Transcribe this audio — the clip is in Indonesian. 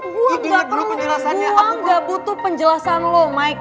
gue gak perlu gue gak butuh penjelasan lo mike